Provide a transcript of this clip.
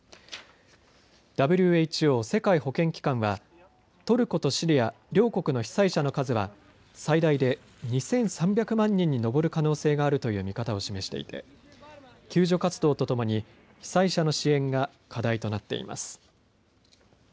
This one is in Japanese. ＷＨＯ・世界保健機関はトルコとシリア両国の被災者の数は最大で２３００万人に上る可能性があるという見方を示していて救助活動とともに被災者の支援が課題となっています。